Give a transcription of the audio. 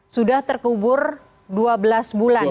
sudah terkubur dua belas bulan